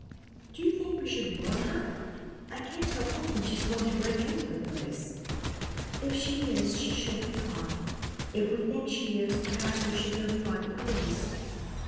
"Do you think we should warn her? I can't help thinking she's going to break into the place." "If she is, she should be caught. If we think she is, perhaps we should notify the police."